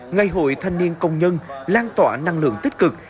ngày hội thanh niên công nhân lan tỏa năng lượng tích cực